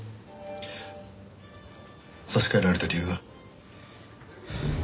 差し替えられた理由は？